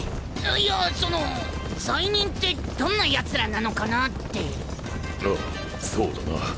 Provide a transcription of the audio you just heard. いやそのう罪人ってどんなやつらなのかなって。ああそうだな。